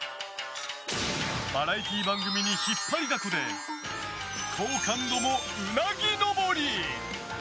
バラエティー番組に引っ張りだこで好感度もうなぎ登り！